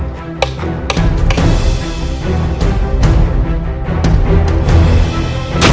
makan kedua penduduk itu